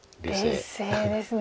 冷静ですね。